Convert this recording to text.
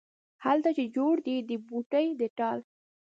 هلته چې جوړ دی د بوډۍ د ټال،